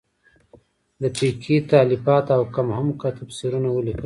د فقهې تالیفات او کم عمقه تفسیرونه ولیکل شول.